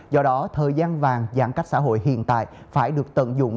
do đó thời gian vàng giãn cách xã hội hiện tại phải được tận dụng